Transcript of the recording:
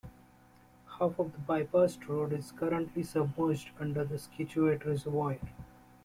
Half of the bypassed road is currently submerged under the Scituate Reservoir.